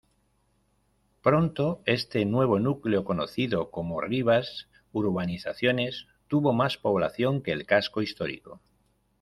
Pronto este nuevo núcleo, conocido como Rivas-Urbanizaciones, tuvo más población que el casco histórico.